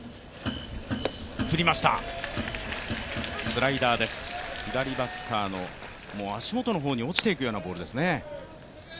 スライダーです、左バッターの足元の方に落ちていくようなボールですね。